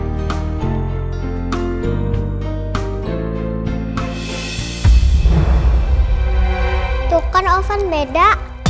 itu kan oven beda